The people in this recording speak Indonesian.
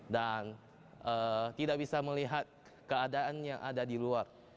dan tidak bisa melihat keadaan yang ada di luar